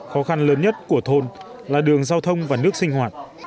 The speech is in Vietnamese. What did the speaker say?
khó khăn lớn nhất của thôn là đường giao thông và nước sinh hoạt